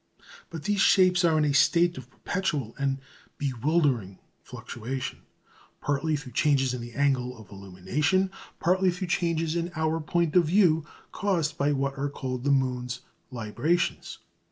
But these shapes are in a state of perpetual and bewildering fluctuation, partly through changes in the angle of illumination, partly through changes in our point of view, caused by what are called the moon's "librations."